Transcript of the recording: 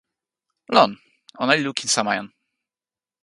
lon, ona li lukin sama jan.